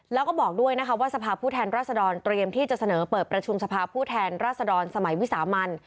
แล้วก็บอกด้วยว่าสภาพภูเทศรัสดรเตรียมที่จะเสนอเปิดประชุมสภาพภูเทศรัสดรสมัยวิสามัญ